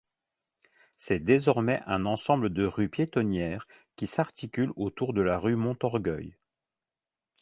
C'est désormais un ensemble de rues piétonnières qui s'articule autour de la rue Montorgueil.